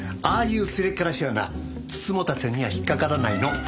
ああいうすれっからしはな美人局には引っかからないの。